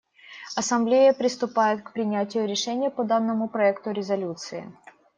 Ассамблея приступает к принятию решения по данному проекту резолюции.